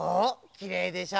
きれいでしょ。